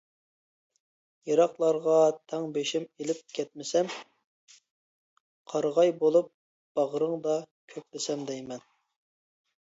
يىراقلارغا تەك بېشىم ئېلىپ كەتمىسەم، قارىغاي بولۇپ باغرىڭدا كۆكلىسەم دەيمەن.